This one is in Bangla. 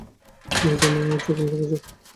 এর জন্য উদযাপন করা যাক।